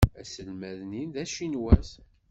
Aselmad-nni d acinwat.